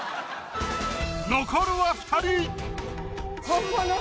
残るは二人！